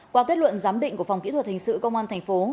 qua kết luận giám định của phòng kỹ thuật hình sự công an thành phố